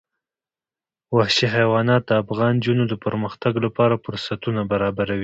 وحشي حیوانات د افغان نجونو د پرمختګ لپاره فرصتونه برابروي.